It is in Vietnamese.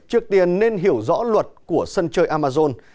trước tiên nên hiểu rõ luật của sân chơi amazon